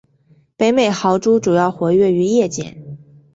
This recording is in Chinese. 北美豪猪主要活跃于夜间。